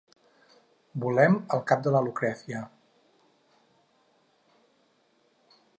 Volem el cap de la Lucrècia.